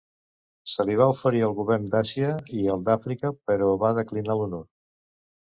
Se li va oferir el govern d'Àsia o el d'Àfrica però va declinar l'honor.